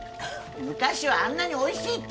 昔はあんなにおいしいって